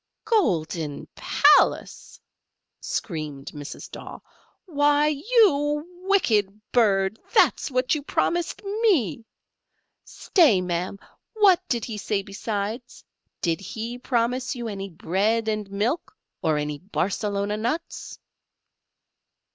"Golden palace!" screamed Mrs. Daw: "why, you wicked bird, that's what you promised me. Stay, ma'am, what did he say besides? did he promise you any bread and milk, or any Barcelona nuts?"